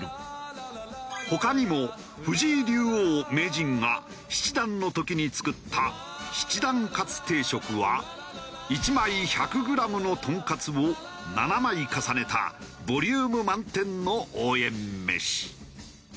他にも藤井竜王・名人が七段の時に作った七段カツ定食は１枚１００グラムのトンカツを７枚重ねたボリューム満点の応援メシ。